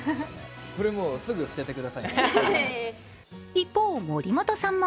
一方、森本さんも